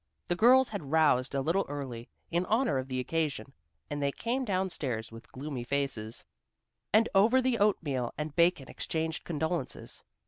The girls had roused a little early, in honor of the occasion, and they came down stairs with gloomy faces, and over the oatmeal and bacon exchanged condolences.